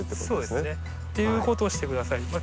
そうですね。っていうことをして下さい。